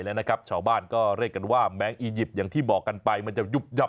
เป็นลักษณะพฤติกรรมของแมงกระพุนที่ว่ายน้ำ